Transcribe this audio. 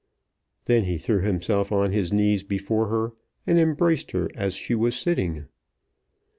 Then he threw himself on his knees before her, and embraced her as she was sitting.